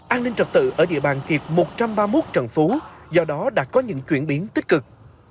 an ninh trật tự ở địa bàn kiệp một trăm ba mươi một trần phú do đó đã có những chuyển biến tích cực